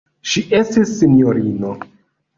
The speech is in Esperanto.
Ŝi estis sinjorino.